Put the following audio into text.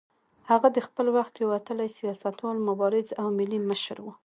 هغه د خپل وخت یو وتلی سیاستوال، مبارز او ملي مشر و.